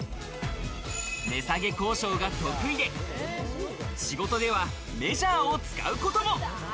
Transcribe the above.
値下げ交渉が得意で、仕事ではメジャーを使うことも。